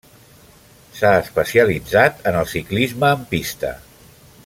S'ha especialitzat en el ciclisme en pista.